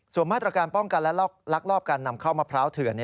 ส่วนมาตรการป้องกันและลักลอบการนำเข้ามะพร้าวเถื่อน